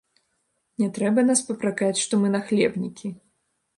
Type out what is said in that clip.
Не трэба нас папракаць, што мы нахлебнікі.